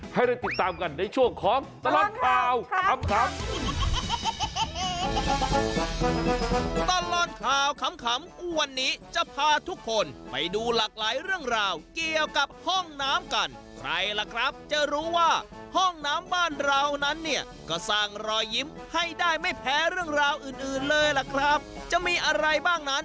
ให้ได้ติดตามกันในช่วงของตลอดข่าวขำ